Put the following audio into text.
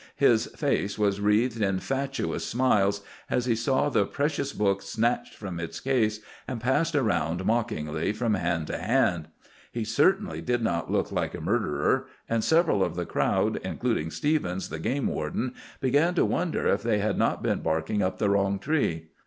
His face was wreathed in fatuous smiles as he saw the precious book snatched from its case and passed around mockingly from hand to hand. He certainly did not look like a murderer, and several of the crowd, including Stephens, the game warden, began to wonder if they had not been barking up the wrong tree.